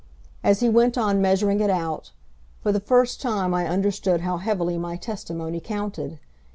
As he went on measuring it out, for the first time I understood how heavily my testimony counted.